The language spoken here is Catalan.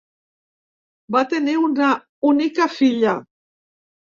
Va tenir una única filla.